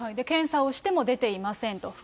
検査をしても出ていませんと。